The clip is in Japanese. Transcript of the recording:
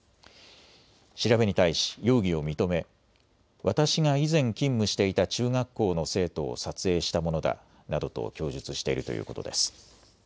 調べに対し容疑を認め私が以前、勤務していた中学校の生徒を撮影したものだなどと供述しているということです。